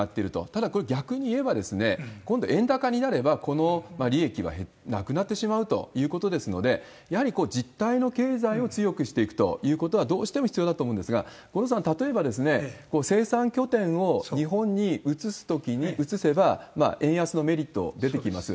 ただ、これ、逆にいえば、今度、円高になれば、この利益はなくなってしまうということですので、やはり実態の経済を強くしていくということはどうしても必要だと思うんですが、五郎さん、例えば生産拠点を日本に移せば、円安のメリット、出てきます。